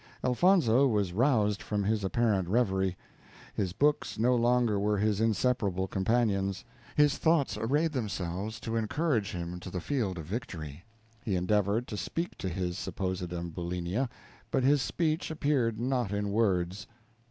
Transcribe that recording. Elfonzo was roused from his apparent reverie. His books no longer were his inseparable companions his thoughts arrayed themselves to encourage him in the field of victory. He endeavored to speak to his supposed Ambulinia, but his speech appeared not in words.